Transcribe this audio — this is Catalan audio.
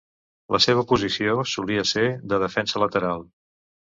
La seva posició solia ser de defensa lateral.